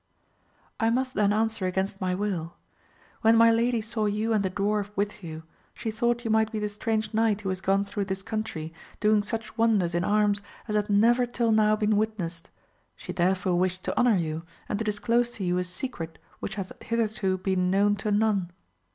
— I must then answer against my will. When my lady saw you and the dwarf with you she thought you might be the strange knight who has gone through this country, doing such wonders in arms as had never till now been witnessed, she there fore wished to honour you, and to disclose to you a secret which hath hitherto been known to none.